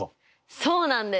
そうなんです！